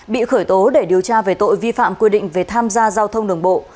bị khởi tố để điều tra về tội vi phạm quy định về tham gia giao thông đường bộ